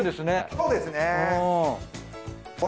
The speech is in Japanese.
そうですね。